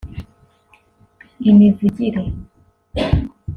imivugire